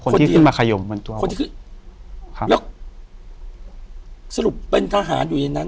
คนที่ขึ้นมาขยมเหมือนตัวคนที่ขึ้นครับสรุปเป็นทหารอยู่ในนั้น